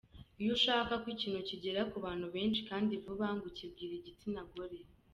Iyo ushaka ko ikintu kigera ku bantu benshi kandi vuba ngo ukibwira igitsina gore.